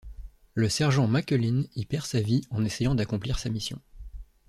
Le sergent McCullin y perd sa vie en essayant d'accomplir sa mission.